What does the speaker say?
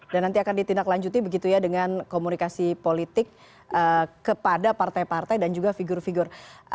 dan nanti akan ditindaklanjuti begitu ya dengan komunikasi politik kepada partai partai dan juga figur figur